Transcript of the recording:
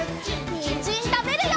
にんじんたべるよ！